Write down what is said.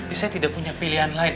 saya tidak punya pilihan lain